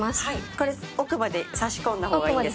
これ奥まで差しこんだ方がいいですか？